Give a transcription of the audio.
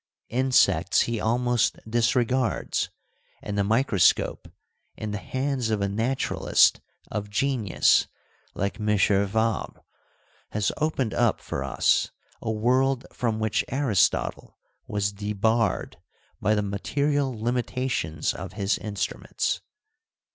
Insects he almost disregards, and the micro 120 FEMINISM IN GREEK LITERATURE scope, in the hands of a naturalist of genius like M. Fabre, has opened up for us a world from which Aristotle was debarred by the material limitations of his instruments.